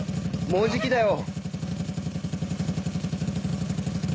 もうじきだよ。